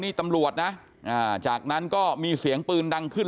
นี่ตำรวจนะจากนั้นก็มีเสียงปืนดังขึ้น